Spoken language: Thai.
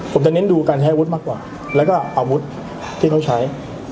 ผมจะเน้นดูการใช้อาวุธมากกว่าแล้วก็อาวุธที่เขาใช้